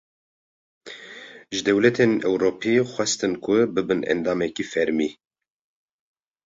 Ji dewletên Ewropî, xwestin ku bibin endamekî fermî